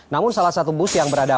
namun salah satu bus yang berada